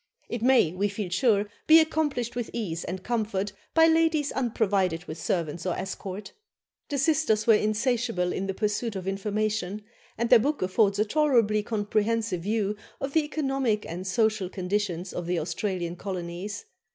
It may, we feel sure, be accomplished with ease and comfort by ladies unprovided with servants or escort." The sisters were insatiable in the pursuit of information, and their book affords a tolerably comprehensive view of the economic and social conditions of the Australian colonies.